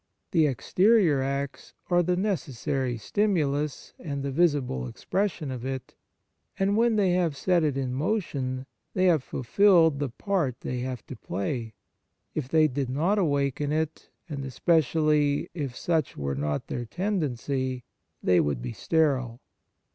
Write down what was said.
The exterior acts are the necessary stimulus and the visible expression of it, and when they have set it in motion, they have fulfilled the part they have to play; if they did not awaken it, and especi 87 On Piety ally, if such were not their tendency, they would be sterile.